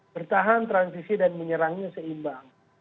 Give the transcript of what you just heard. bertahan transisi dan menyerangnya seimbang